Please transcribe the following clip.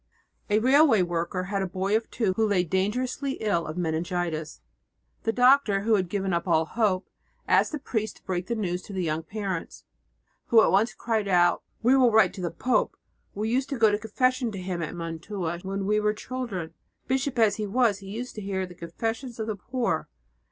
A railway worker had a boy of two who lay dangerously ill of meningitis. The doctor, who had given up all hope, asked the priest to break the news to the young parents, who at once cried out, "We will write to the pope! We used to go to confession to him at Mantua when we were children; bishop as he was, he used to hear the confessions of the poor."